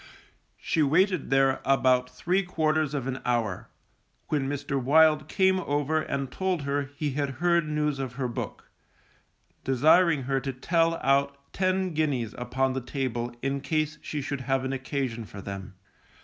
She waited there about three quarters of an hour, when Mr. Wild came over and told her he had heard news of her book, desiring her to tell out ten guineas upon the table in case she should have an occasion for them.